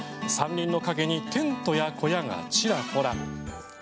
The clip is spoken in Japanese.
山林の陰にテントや小屋がちらほら。